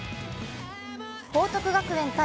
報徳学園×